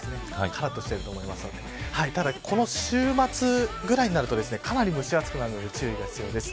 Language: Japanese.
からっとしてると思いますのでただ、この週末ぐらいになるとかなり蒸し暑くなるので注意が必要です。